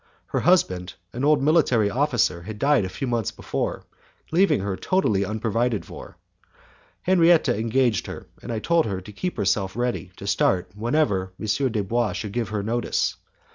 Her husband, an old military officer, had died a few months before, leaving her totally unprovided for. Henriette engaged her, and told her to keep herself ready to start whenever M. Dubois should give her notice.